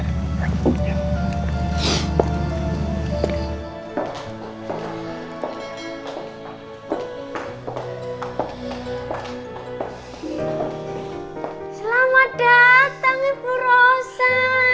selamat datang ibu rosa